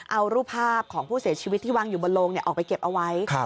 เอารูปภาพของผู้เสียชีวิตที่วางอยู่บนโลงออกไปเก็บเอาไว้